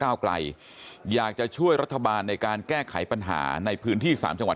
ไกลอยากจะช่วยรัฐบาลในการแก้ไขปัญหาในพื้นที่๓จังหวัด